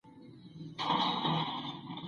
ایا ته پوهېږې چي په څېړنه کي تقلید حرام دی؟